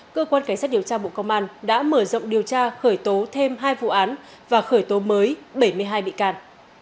cơ quan cảnh sát điều tra bộ công an đã mở rộng điều tra khởi tố thêm hai vụ án và khởi tố mới bảy mươi hai bị can